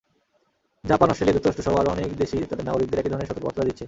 Japan, Australia, যুক্তরাষ্ট্রসহ আরও অনেক দেশই তাদের নাগরিকদের একই ধরনের সতর্কবার্তা দিচ্ছে।